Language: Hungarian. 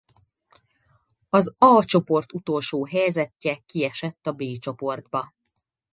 Az A csoport utolsó helyezettje kiesett a B csoportba.